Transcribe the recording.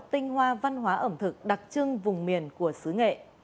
tinh hoa văn hóa ẩm thực đặc trưng vùng miền của xứ nghệ